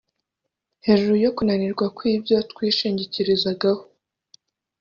hejuru yo kunanirwa kw’ibyo twishingikirizagaho